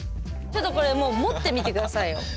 ちょっとこれもう持ってみて下さいよ。